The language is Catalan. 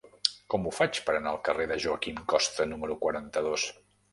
Com ho faig per anar al carrer de Joaquín Costa número quaranta-dos?